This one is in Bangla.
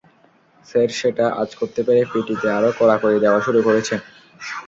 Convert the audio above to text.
স্যার সেটা আঁচ করতে পেরে পিটিতে আরও কড়াকড়ি দেওয়া শুরু করেছেন।